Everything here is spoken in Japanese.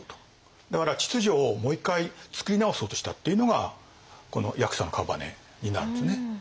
だから秩序をもう一回作り直そうとしたっていうのがこの八色の姓になるんですね。